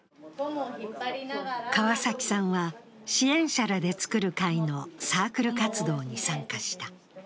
川崎さんは支援者らで作る会のサークル活動に参加した。